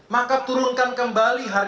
maka turunkan kembali ke bbm